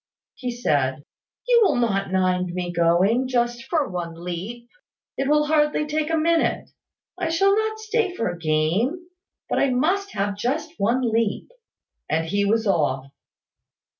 He said "You will not mind my going, just for one leap. It will hardly take a minute. I shall not stay for a game. But I must have just one leap." And he was off.